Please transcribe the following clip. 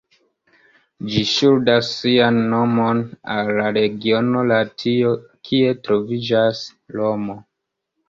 Ĝi ŝuldas sian nomon al la regiono Latio, kie troviĝas Romo.